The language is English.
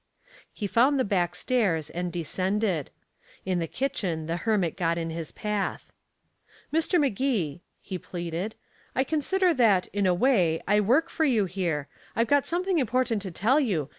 He found the back stairs, and descended. In the kitchen the hermit got in his path. "Mr. Magee," he pleaded, "I consider that, in a way, I work for you here. I've got something important to tell you.